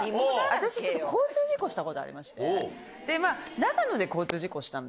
私ちょっと交通事故したことありまして。